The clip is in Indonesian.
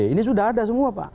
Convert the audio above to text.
ini sudah ada semua pak